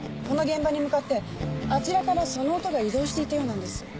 この現場に向かってあちらからその音が移動していたようなんです。